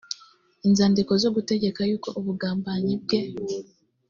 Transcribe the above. inzandiko zo gutegeka yuko ubugambanyi bwe